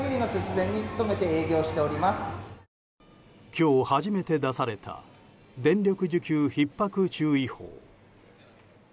今日初めて出された電力需給ひっ迫注意報。